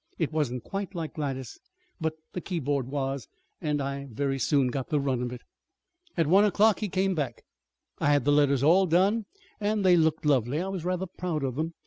It wasn't quite like Gladys's, but the keyboard was, and I very soon got the run of it. "At one o'clock he came back. I had the letters all done, and they looked lovely. I was rather proud of them.